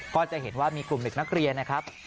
ก็จะเห็นว่ามีกลุ่มเด็กนักเรียนนะครับ